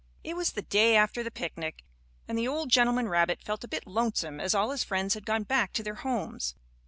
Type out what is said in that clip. It was the day after the picnic, and the old gentleman rabbit felt a bit lonesome as all his friends had gone back to their homes.